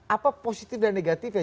apa positif dan negatif ya